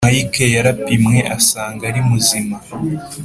mike yarapimwe asanga arimuzima